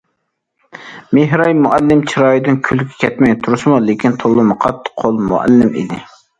مېھراي مۇئەللىم چىرايىدىن كۈلكە كەتمەي تۇرسىمۇ لېكىن تولىمۇ قاتتىق قول مۇئەللىم ئىدى.